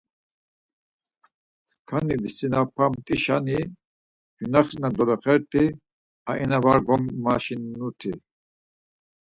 Sǩani visinapamt̆işani cunaxis na doloxert̆i aina var gomaşinuti.